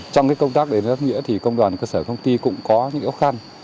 trong cái công tác đến nắp nghĩa thì công đoàn cơ sở công ty cũng có những ước khăn